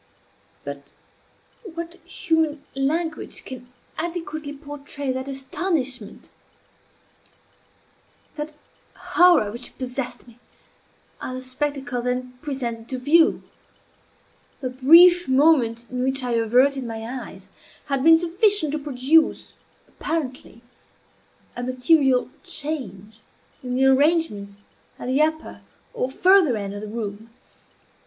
But what human language can adequately portray that astonishment, that horror which possessed me at the spectacle then presented to view? The brief moment in which I averted my eyes had been sufficient to produce, apparently, a material change in the arrangements at the upper or farther end of the room.